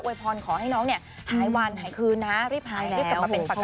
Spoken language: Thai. พรขอให้น้องเนี่ยหายวันหายคืนนะรีบหายรีบกลับมาเป็นปกติ